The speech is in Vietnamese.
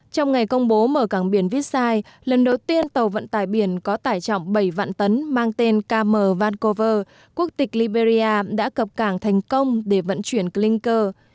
trong ngày công bố mở cảng biển vítsai lần đầu tiên tàu vận tải biển có tải trọng bảy vạn tấn mang tên km vancover quốc tịch liberia đã cập cảng thành công để vận chuyển clinker